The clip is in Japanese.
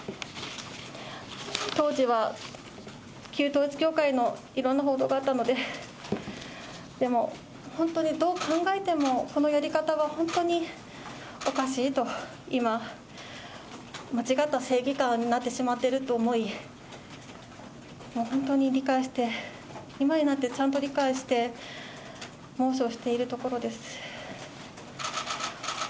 当時は、旧統一教会のいろんな報道があったので、でも、本当にどう考えても、このやり方は本当におかしいと今、間違った正義感になってしまっていると思い、もう本当に理解して、今になってちゃんと理解して、猛省をしているところです。